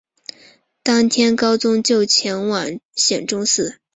当天高宗就前往显忠寺。